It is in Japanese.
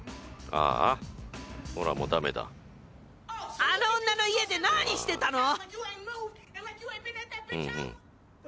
あの女の家で何してたの！？